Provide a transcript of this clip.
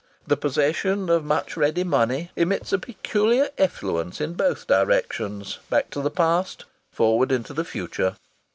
The possession of much ready money emits a peculiar effluence in both directions back to the past, forward into the future.